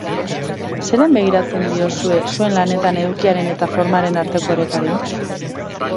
Zelan begiratzen diozue zuen lanetan edukiaren eta formaren arteko orekari?